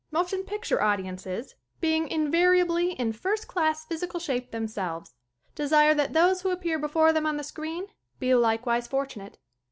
Motion picture audiences being invariably in first class phy sical shape themselves, desire that those who appear before them on the screen be likewise fortunate.